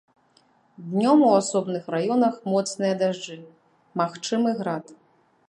Днём у асобных раёнах моцныя дажджы, магчымы град.